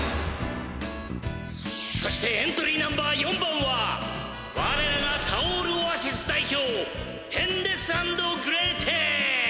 そしてエントリーナンバー４番はわれらがタオールオアシス代表ヘンデス＆グレーテ！